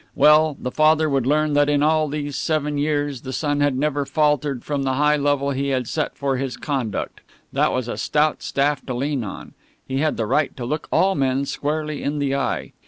Well, the father would learn that in all these seven years the son had never faltered from the high level he had set for his conduct. That was a stout staff to lean on he had the right to look all men squarely in the eye.